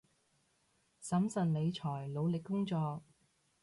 審慎理財，努力工作